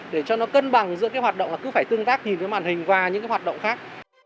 để cho nó cân bằng giữa cái hoạt động là cứ phải tương tác nhìn cái màn hình và những cái hoạt động khác